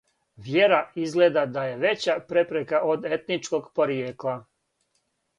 Вјера изгледа да је већа препрека од етничког поријекла.